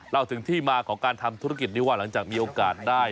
เราถึงที่มาของการทำธุรกิจนี้ว่าหลังจากมีโอกาสได้